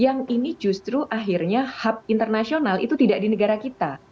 yang ini justru akhirnya hub internasional itu tidak di negara kita